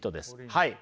はい。